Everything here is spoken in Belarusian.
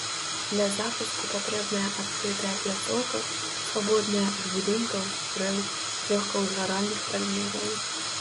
Для запуску патрэбная адкрытая пляцоўка, свабодная ад будынкаў, дрэў, лёгкаўзгаральных прадметаў.